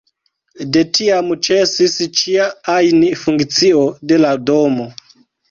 De tiam ĉesis ĉia ajn funkcio de la domo.